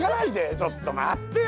ちょっと待ってよ